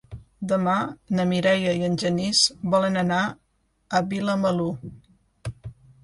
Demà na Mireia i en Genís volen anar a Vilamalur.